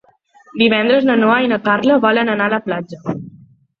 Divendres na Noa i na Carla volen anar a la platja.